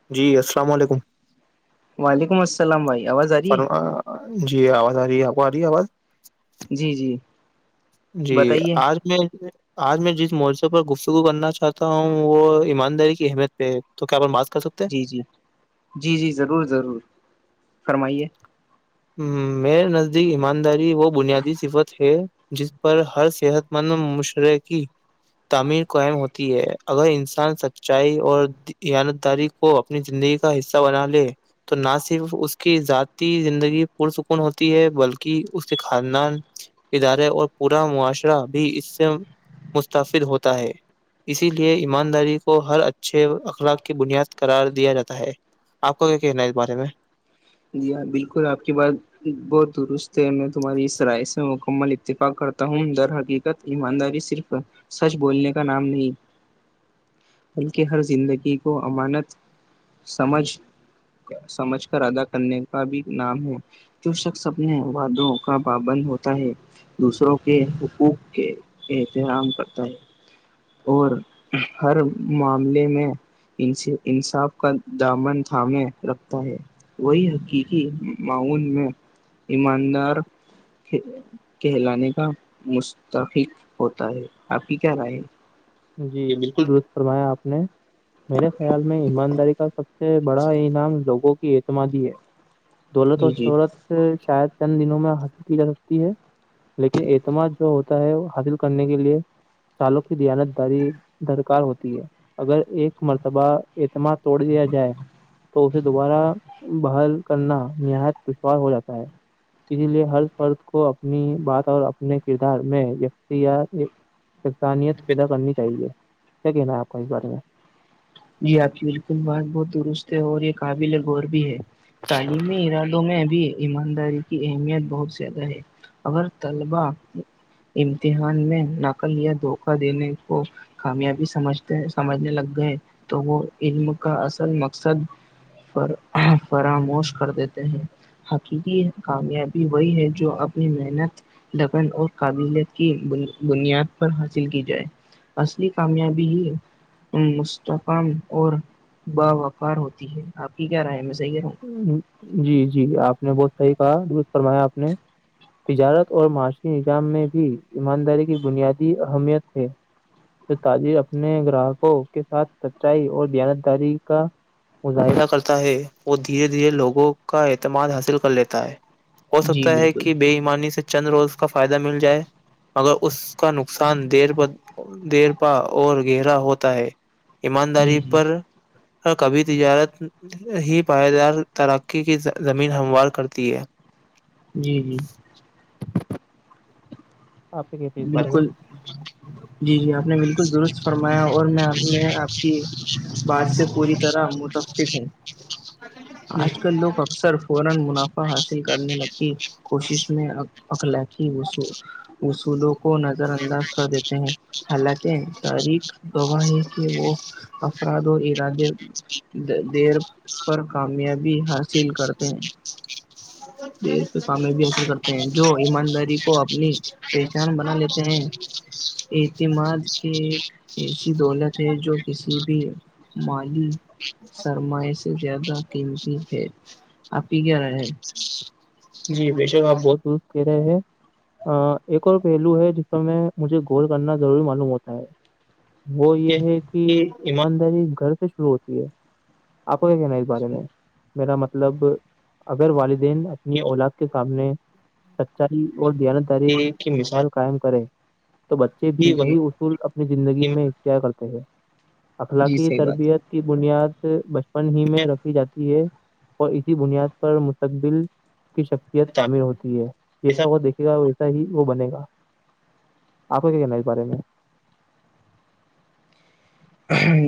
[unintelligible] وعلیکم السلام بھائی آواز آ رہی ہے فرما جی آواز آ رہی ہے آپ آ رہی ہے آواز جی جی [unintelligible] جی بتائیے آج میں آج میں جس موورضے پر گفتگو کرنا چاہتا ہوں وہ ایمانداری کی اہمیت پہ ہے تو کیا اپ بات کر سکتے جی جی جی ضرور ضرور فرمائیے [unintelligible] ہ میرے نزدیک ایمانداری و بنیادی صفت ہے [unintelligible] جس پر ہر صحت مند مشرقی تعمیر کو اہم ہوتی ہے اگر انسان سچائی اور انت داری کو [unintelligible] کو اپنی زندگی کا حصہ بنا لے تو نہ صرف اس کی ذاتی زندگی [unintelligible] پرسکون ہوتی ہے بلکہ اس کے خاندان [unintelligible] ادارے اور پورا معاشرہ بھی اس سے مستفد ہوتا ہے اسی لیے ایمانداری کو ہر اچھے اخلاق کی بنیاد قرار دیا جاتا ہے [unintelligible] آ کو کیا کہنا ہے اس بارے میں [unintelligible] جی ہاں بالکل آپ کی بات بہت درست ہے میں تمہاری اس رائے سے مکمل اتفاق کرتا ہوں در حقیق ایمانداری صرف سچ بولنے کا نام نہیں [unintelligible] بلکہ ہر زندگی کو امانت سمجھ سمجھ کر ادا کرنے کا بھی نام ہے جو شخص اپنے وادوں کا بابند ہوتا ہے دوسروں کے حقوق کے احترام کرتا ہے اور ہر معاملے میں انصاف کا دامن تھامے رکھتا ہے وہی حقیقی معاون میں ایماندار کہلانے کا مستقق ہوتا ہے آپ کی کیا رائے جی بالکل دست فرمایا آپ نے میرے خیال میں ایمانداری کا سب سے بڑا انعام لوگوں کی اعتمادی ہے دولت جی و جی شہرت شاید چند دنوں میں حاصل کی جا سکتی ہے لیکن اعتماد جو ہوتا ہے وہ حاصل کرنے کے لیے سالوں کی زانت درکار ہوتی ہے اگر ایک مرتبہ اعتماد توڑ دیا جائے تو اسے دوبارہ بحال کرنا نہایت دشوار ہو جاتا ہے اسی لیے ہر فرد کو اپنی بات اور اپنے کردار میں وتی یا اسانیت پیدا کرنی چاہیے کیا کہنا ہے آپ کو اس بارے میں جی آپ کی بالکل بت بہت درست ہے اور یہ قابل غور بھی ہے تعلیمی ارادوں میں بھی ایمانداری کی اہمیت بہت زیادہ ہے اگر طلبا [unintelligible] امتحان میں نقل یا دھوکہ دینے کو کامیابی سمجھتے سمجھنے لگ گئے تو وہ علم کا اصل مقصد پر فراموش کر دیتے ہیں [inaudible] حقیقی کامیابی وہی ہے جو اپنی محنت لگن اور قابلیت کی بنیاد پر حاصل کی جائے اصلی کامیابی ہی ام اور با وفار ہوتی ہے آپ کی کیا رائے میں صحیح رہوں جی جی آپ نے بہت صحیح کہا درست فرمایا آپ نے تجارت اور معاشی نظام میں بھی ایمانداری کی بنیادی اہمیت ہے تاجر اپنے گراہکوں کے ساتھ سچائی اور زانت داری کا مظاہرہ کرتا ہے دھیرے دھیرے لوگوں کا اعتماد حاصل کر لیتا ہے ہو ہوں جی سکتا ہے بالکل کہ بے ایمانی سے چند روز کا فائدہ مل جائے مگر اس کا نقصان دیر دیرپا اور گہرا ہوتا ہے [inaudible] جی ایمانداری پر جی کبھی تجارت ہی پائیدار ترقی کی زمین ہموار کرتی ہے [inaudible] جی جی آپ کے اس بارے بالکل میں جی جی آپ نے بالکل درست فرمایا اور میں آ میں آپ کی بد سے پوری طرح متفق ہوں آج کل لوگ اکثر فورا منافع حاصل کرنے لگی کوشش میں اک ل کہ وہسو [inaudible] اصولوں کو نظر انداز کر دیتے ہیں حالانکہ تاریخ گواہ ہے کہ وہ افراد اور ارادے [inaudible] دیر پر کامیابی حاصل کرتے ہیں دیر پہ کامیابی حاصل کرتے ہیں جو ایمانداری کو اپنی پہچان بنا لیتے ہیں اعتماد کے ایک ایسی دولت ہے جو کسی بھی مالی [inaudible] سرماائے سے زیادہ قیمتی ہے آپ ہی کیا رہے جی بے شک آپ بہت وز کہہ رہے ہیں [inaudible] ایک اور پہلو ہے جس پر میں مجھے گول کرنا ضروری معلوم ہوتا وہ جی جی یہ ہے کہ ایمانداری گھر سے شروع ہوتی ہے آپ کو کہ کیا ن اس بارے میں جی [unintelligible] میرا مطلب اگر والدین اپنی اولاد کے سامنے سچائی اور دیانت داری کی مثال قائم کرے تو بچے بھی جی جی وہی اپنی زندگی میں اختا کرتے ہیں جی اخلاقی صحیح بات ہے تربیت کی بنیاد بچپن ہی میں رکھی جاتی ہے اور اسی بنیاد پر مستقبل کی شکتیت شامل ہوتی ہے جیسا وہ دیکے گا [inaudible] صحیح وہ بنے گا آپ کو کیا کہنا ہے اس بارے میں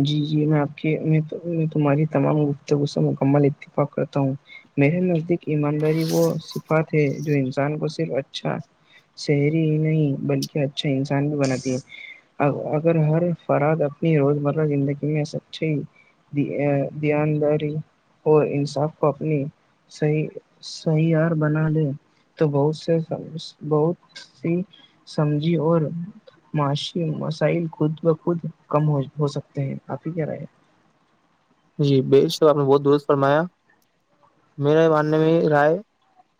جی جی میں آپ کے تمہاری تمام گفتگو سے مکمل اتفاق کرتا ہوں میرے نزدیک ایمانداری وہ صفات ہے جو انسان کو صرف اچھا شہری ہی نہیں بلکہ اچھا انسان بھی بناتی ہے اگر ہر فراد اپنی روزمرہ زندگی میں سچچے [inaudible] دانداری اور انصاف کو اپنی [inaudible] صی سہیار بنا لے تو بہت سے بہت [inaudible] [inaudible] س سمجھی اور معاشی مسائل خود بخود کم ہو سکتے ہیں کافی کیا رہے جی ب صاب آپ نے بہت درست فرمایا میرے ماننے میں رائے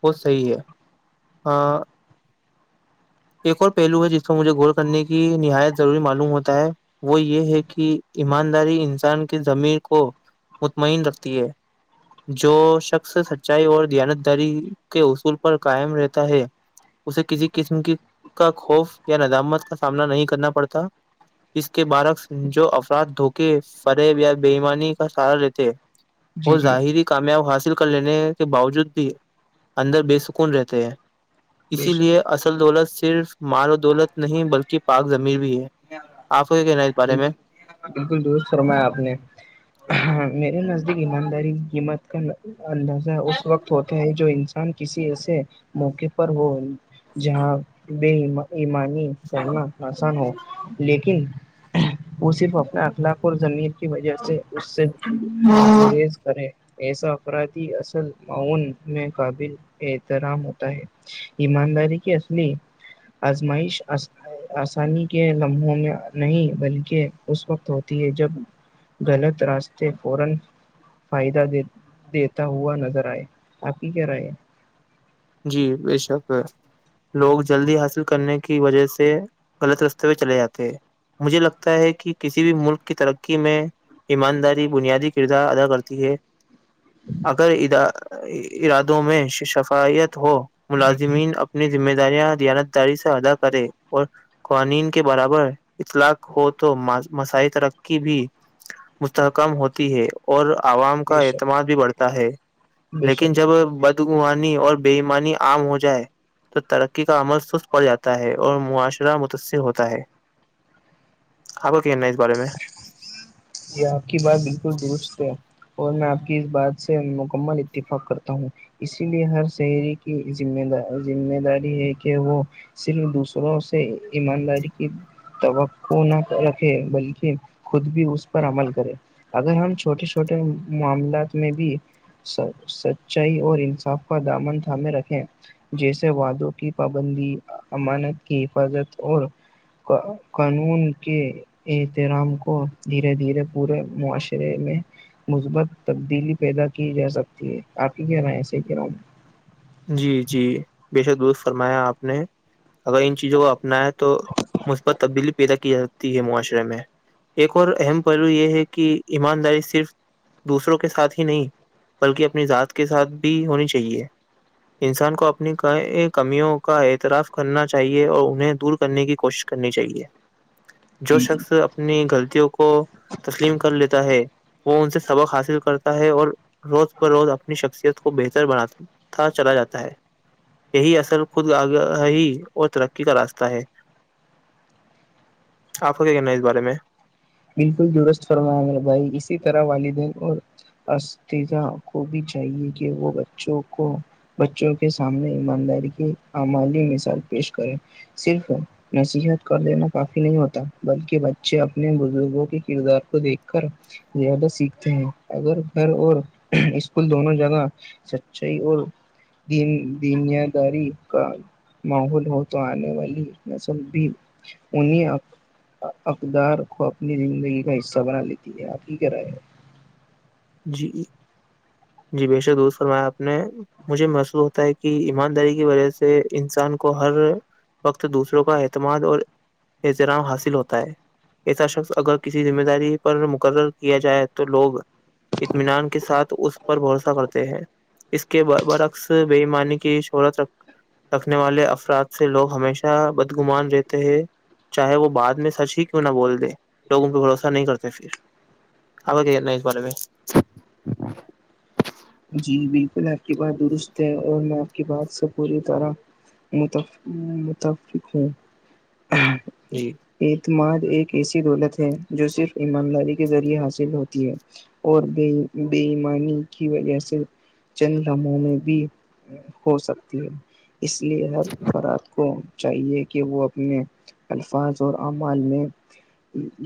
وہ صحی ہے ہاں [inaudible] ایک اور پہلو ہے جس کو مجھے غور کرنے کی نہایت ضروری معلوم ہوتا ہے وہ یہ ہے کہ ایمانداری انسان کی زمیر کو مطمئن رکھتی ہے جو شخص سچائی اور دیانت داری کے اصول پر قائم رہتا ہے اسے کسی قسم کی کا خوف یا ندامت کا سامنا نہیں کرنا پڑتا اس کے بارعکس جو افراد دھوکے فریب یا بےئیمانی کا سہارا لیتے وہ جی جی ظاہری کامیاب حاصل کر لینے کے باوجود بھی اندر بےسکون رہتے ہیں بے اسی لیے شک اصل دولت سے صرف مال و دولت نہیں بلکہ پاک زمیر بھی ہے آپ کو کیا کہنا ہے اس بارے میں بالکل بالکل دست فرمایا آپ نے میرے نزدیک ایمانداری قیمت کا اندازہ اس وقت ہوتا ہے جو انسان کسی ایسے موقعے پر ہو جہاں بے ایمانی کرنا آسان ہو لیکن وہ صرف اپنا اخلاق اور زمیر کی وجہ سے اس سے گیز کریں ایسا افرادی اصل معاون میں قابل احترام ہوتا ہے ایمانداری کی اصلی آزمائش آسانی کے لمحوں میں نہیں بلکہ اس وقت ہوتی ہے جب غلط راستے فورن فائدہ د دیتا ہوا نظر آئے آپ کی کیا رہاے ہیں جی بے شک ہے لوگ جلدی حاصل کرنے کی وجہ سے غلط رستے پہ چلے جاتے ہیں مجھے لگتا ہے کہ کسی بھی ملک کی ترقی میں ایمانداری بنیادی کردار ادا کرتی ہے اگر ارادوں میں شفائییت ہو ہے جی جی ملازمین اپ اپنی ذمہ داریاں ھیانت داری سے ادا کرے اور قوانین کے برابر اطلاق ہو تو مساعی ترقی بھی مستحکم ہوتی ہے اور عوام کا بے شک اعتماد بھی بڑھتا ہے بے لیکن شک جب بے شک بدگوانی اور بےئیمانی عام ہو جائے تو ترقی کا عمل سست پڑ جاتا ہے اور معاشرہ متاثر ہوتا ہے آپ کا کہنا ہے اس بارے میں یہ آپ کی بات بالکل درست ہے اور میں آپ کی اس بات سے مکمل اتفاق کرتا ہوں اسی لیے ہر شہری کی ذمہ دار ذمہ داری ہے کہ وہ صرف دوسروں سے ایمانداری کی توقع نہ رکھے بلکہ خود بھی اس پر عمل کرے اگر ہم چھوٹے چھوٹے معاملات میں بھی سچائی اور انصاف کا دامن تھامے رکھیں جیسے وعادوں کی پابندی امانت کی حفاظت اور قانون کے رام کو دھیرے دھیرے پورے معاشرے میں مثبت تبدیلی پیدا کی جا سکتی ہے آپ کے کہ رہا ہیں ایسے ہی کہ رہا ہوں جی جی بےشک دست فرمایا آپ نے اگر ان چیزوں کو اپنایا تو تو مثبت تبدیلی پیدا کی جاتی تی ہے معاشرے میں ایک اور اہم پہلو یہ ہے کہ ایمانداری صرف دوسروں کے ساتھ ہی نہیں بلکہ اپنی ذات کے ساتھ بھی ہونی چاہیے انسان کو اپنی کمیوں کا اعتراف کرنا چاہیے اور انہیں دور کرنے کی کوشش کرنی چاہیے جو شخص اپنی غلطیوں کو تسلیم کر لیتا ہے وہ ان سے سبق حاصل کرتا ہے اور روز ب روز اپنی شخصیت کو بہتر بناتی تھا چلا جاتا ہے یہی اثر خود آگاہی اور ترقی کا راستہ ہے آپ کا کیا کہنا ہے اس بارے میں بالکل درست فرمار بھائی اسی طرح والدین اور اسذہ کو بھی چاہیے کہ وہ بچوں کو بچوں کے سامنے ایمانداری کی عمالی مثال پیش کریں صرف نصیحت کر دینا کافی نہیں ہوتا بلکہ بچے اپنے لوگوں کے کردار کو دیکھ کر زیادہ سیکھتے ہیں اگر گھر اور اسکول دونوں جگہ سچائی اور دین دنیاداری کا ماحول ہو تو آنے والی نسل بھی انہی اقدار کو اپنی زندگی کا حصہ بنا لیتی ہے آپ کی کیا رائے ہیں جی جی بے شک درست فرمایا آپ نے مجھے محسوس ہوتا ہے کہ ایمانداری کی وجہ سے انسان کو ہر وقت دوسروں کا اعتماد اور احترام حاصل ہوتا ہے ایسا شخص اگر کسی ذمہ داری پر مقرر کیا جائے تو لوگ اطمینان کے ساتھ اس پر بھروسہ کرتے ہیں اس کے برعکس بے ایمانی کی شہرت رکھ رکھنے والے افراد سے لوگ ہمیشہ بدگمان رہتے ہیں چاہے وہ بعد میں سچ ہی کیوں نہ بول د لوگوں پہ بھروسہ نہیں کرتے پھر گیا نہ ایک بار میں جی بالکل آپ کی بات درست ہے اور میں آپ کی بات سے پوری طرح متفرق ہوں جی اعتماد ایک ایسی دولت ہے جو صرف ایمانداری کے ذریعے حاصل ہوتی ہے اور بےایمانی کی وجہ سے چند لمحوں میں بھی ہو سکتی ہے اس لیے ہر فراد کو چاہیے کہ وہ اپنے الفاظ اور اعمال میں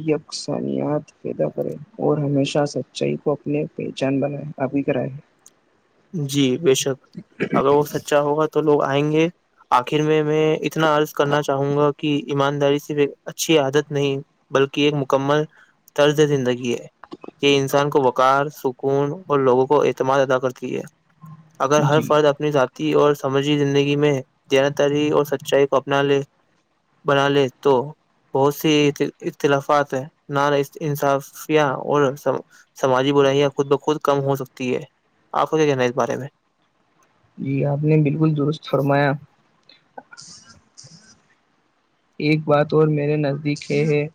یکسانیات پیدا کریں اور ہمیشہ سچائی کو اپنے پہچان بنائیں آپ کی کیا رائے ہے جی بے شک اگر وہ سچا ہوگا تو لوگ آئیں گے آخر میں میں اتنا عرض کرنا چاہوں گا کہ ایمانداری سے اچھی عادت نہیں بلکہ ایک مکمل طرز زندگی ہے یہ انسان کو وقار سکون اور لوگوں کو اعتماد ادا کر اگر ہر جی فرد اپنی ذاتی اور سماجی زندگی میں دیانتداری اور سچائی کو اپنا لے بنا لے تو بہت سے اختلافات ہیں نا انصافیاں اور سماجی برائیاں خود بخود کم ہو سکتی ہے آپ کو کیا کہنا ہے اس بارے میں جی آپ نے بالکل درست فرمایا ایک بات اور میرے نزدیک یہ ہے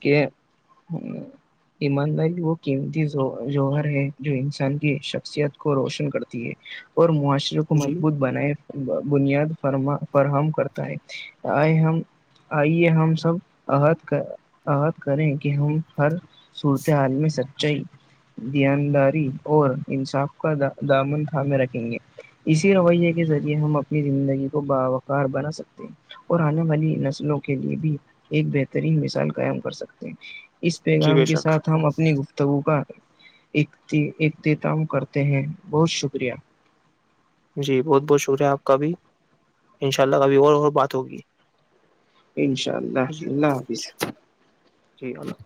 کہ ایمانداری وہ قیمتی جوہر ہے جو انسان کی شخصیت کو روشن کرتی ہے اور معاشرے کو جی مضبوط بنائے بنیاد فراہم کرتا ہے آئے ہم آئیے ہم سب عہد کر عہد کرے کہ ہم ہر صورت حال میں سچ سچائی دانداری اور انصاف کا دامن تھامے رکھیں گے اسی رویے کے ذریعے ہم اپنی زندگی کو باوقار بنا سکتے ہیں اور آنے والی نسلوں کے لیے بھی ایک بہترین مثال قائم کر سکتے ہیں اس جی پیغام بے کے شک ساتھ ہم اپنی گفتگو کا اختتام کرتے ہیں بہت شکریہ جی بہت بہت شکریہ آپ کا بھی ان شاء اللہ کبھی اور اور بات ہوگی انشاء اللہ جی اللہ حافظ جی اللہظ-